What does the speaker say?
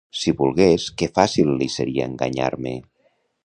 Si volgués, que fàcil li seria enganyar-me!